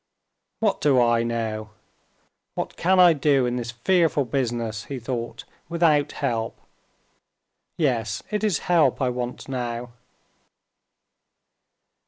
"What do I know? what can I do in this fearful business," he thought, "without help? Yes, it is help I want now."